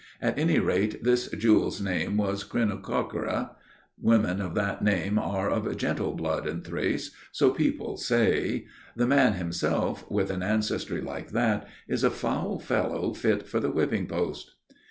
At any rate this jewel's name was Krinokoraka. Women of that name are of gentle blood in Thrace, so people say! The man himself, with an ancestry like that, is a foul fellow fit for the whipping post."